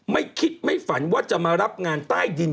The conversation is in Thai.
ไม่คิดไม่ฝันว่าจะมารับงานใต้ดิน